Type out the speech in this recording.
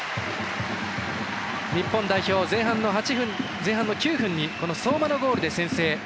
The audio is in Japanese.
日本代表、前半の９分に相馬のゴールで先制。